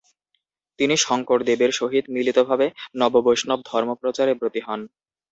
তিনি শংকরদেবের সহিত মিলিতভাবে নববৈষ্ণব ধর্ম প্রচারে ব্রতী হন।